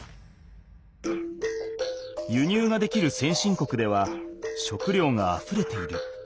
輸入ができる先進国では食料があふれている。